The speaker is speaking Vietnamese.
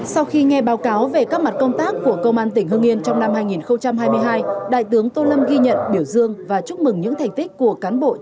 sau khi nghe báo cáo về các mặt công tác của công an tỉnh hương yên trong năm hai nghìn hai mươi hai đại tướng tô lâm ghi nhận biểu dương và chúc mừng những thành tích của cán bộ